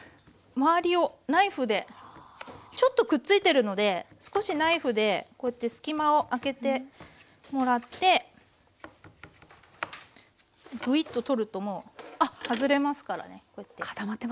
周りをナイフでちょっとくっついてるので少しナイフでこうやって隙間を空けてもらってグイッと取るともう外れますからね。